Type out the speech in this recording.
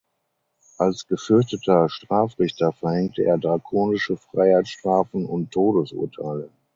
Als gefürchteter Strafrichter verhängte er drakonische Freiheitsstrafen und Todesurteile.